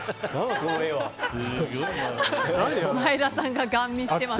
前田さんがガン見しています。